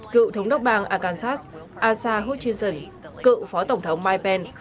cựu thống đốc bang arkansas asa hutchinson cựu phó tổng thống mike pence